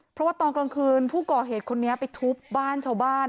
เพราะว่าตอนกลางคืนผู้ก่อเหตุคนนี้ไปทุบบ้านชาวบ้าน